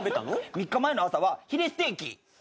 ３日前の朝はヒレステーキ。